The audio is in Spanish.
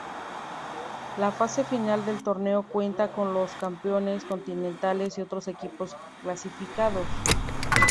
La fase final del torneo cuenta con los campeones continentales y otros equipos clasificados.